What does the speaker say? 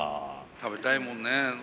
食べたいもんねえ。